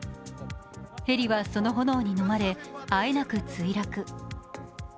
ヘリはその炎にのまれあえなく墜落。